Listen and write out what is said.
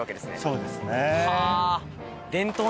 そうですね。